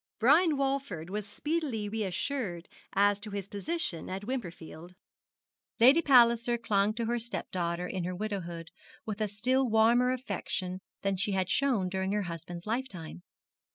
Brian Walford was speedily reassured as to his position at Wimperfield. Lady Palliser clung to her stepdaughter in her widowhood with a still warmer affection than she had shown during her husband's lifetime.